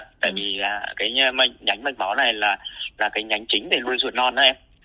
tại vì cái nhánh mạch máu này là cái nhánh chính để nuôi ruột non đó em